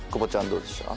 どうでした？